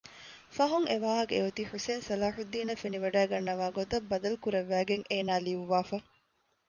ފަހުން އެވާހަކަ އެއޮތީ ޙުސައިން ޞަލާޙުއްދީނަށް ފެނިވަޑައިގަންނަވާ ގޮތަށް ބަދަލުކުރައްވައިގެން އޭނާ ލިޔުއްވާފަ